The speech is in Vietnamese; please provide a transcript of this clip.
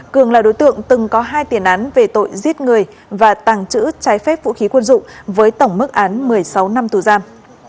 cường là đối tượng từng có hai tiền án về tội giết người và tàng trữ trái phép vũ khí quân dụng với tổng mức án một mươi sáu năm tù giam